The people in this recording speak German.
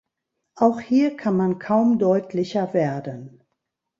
Auch hier kann man kaum deutlicher werden.